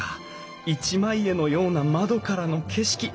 一枚絵のような窓からの景色。